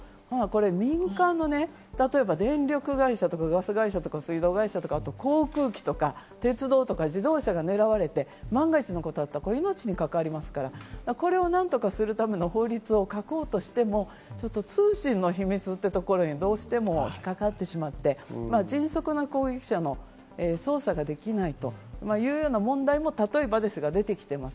民間の電力会社とかガス会社とか水道会社とか、あと航空機とか鉄道とか自動車が狙われて、万が一のことがあったら命に関わりますから、これを何とかするための法律を書こうとしても、通信の秘密というところにどうしても引っかかってしまって、迅速な攻撃者の捜査ができないという問題も例えばですが出てきたりしています。